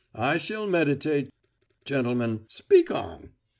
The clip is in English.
I shall meditate. Gentlemen, speak on!"